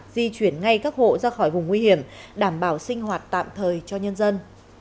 di chuyển ngay các hộ ra khỏi vùng nguy hiểm đảm bảo sinh hoạt tạm thời cho nhân dân